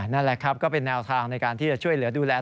นั่นแหละครับก็เป็นแนวทางในการที่จะช่วยเหลือดูแล